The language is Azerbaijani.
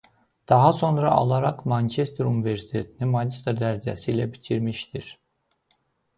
Daha sonra alaraq Mançester Universitetini magistr dərəcəsi ilə bitirmişdir.